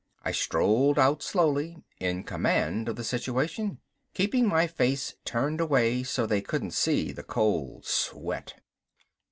'" I strolled out slowly, in command of the situation. Keeping my face turned away so they couldn't see the cold sweat.